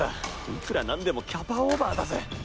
いくら何でもキャパオーバーだぜ。